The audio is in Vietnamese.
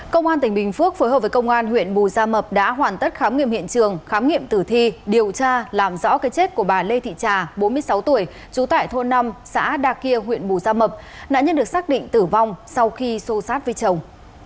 công an tỉnh bình phước phối hợp với công an huyện bù gia mập đã hoàn tất khám nghiệm hiện trường khám nghiệm tử thi điều tra làm rõ cái chết của bà lê thị trà bốn mươi sáu tuổi trú tại thôn năm xã đa kia huyện bù gia mập nạn nhân được xác định tử vong sau khi xô sát với chồng